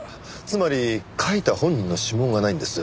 つまり書いた本人の指紋がないんです。